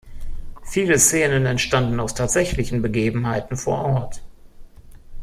Viele Szenen entstanden aus tatsächlichen Begebenheiten vor Ort.